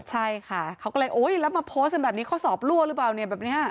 ใช่ค่ะเขาก็เลยโอ๊ยแล้วมาโพสต์กันแบบนี้ข้อสอบรั่วหรือเปล่าเนี่ยแบบนี้